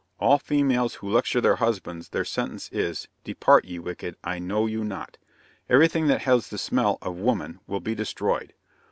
All females who lecture their husbands their sentence is: 'Depart, ye wicked, I know you not.' Everything that has the smell of woman will be destroyed.